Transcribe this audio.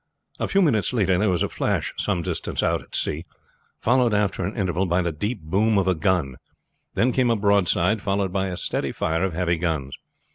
A few minutes later there was a flash some distance out at sea, followed after an interval by the deep boom of a gun; then came a broadside, followed by a steady fire of heavy guns.